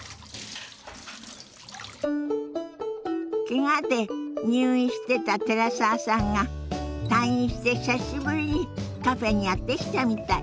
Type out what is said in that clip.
けがで入院してた寺澤さんが退院して久しぶりにカフェにやって来たみたい。